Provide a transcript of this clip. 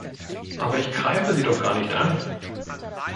Aber ich greife sie doch gar nicht an!